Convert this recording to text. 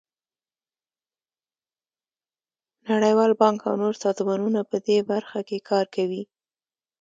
نړیوال بانک او نور سازمانونه په دې برخه کې کار کوي.